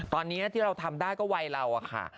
ตอนนี้ที่ทำได้ก็วัยเรา